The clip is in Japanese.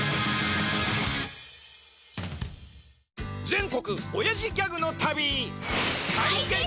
全国おやじギャグの旅！